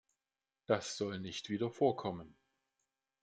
Das soll nicht wieder vorkommen!